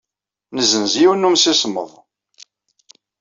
Nessenz yiwen n yemsismeḍ.